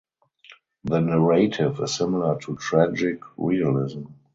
The narrative is similar to tragic realism.